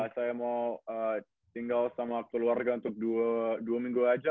saya mau tinggal sama keluarga untuk dua minggu aja